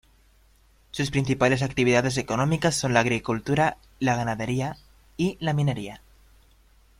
Sus principales actividades económicas son la agricultura, la ganadería y la minería.